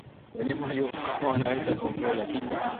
Wanyama waliokomaa wanaweza kuambukizwa lakini